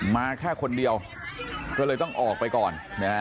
มาแค่คนเดียวก็เลยต้องออกไปก่อนนะฮะ